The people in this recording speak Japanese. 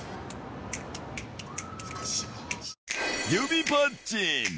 指パッチン。